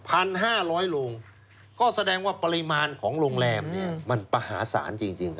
พันห้าร้อยโรงก็แสดงว่าปริมาณของโรงแรมเนี่ยมันมหาศาลจริงจริง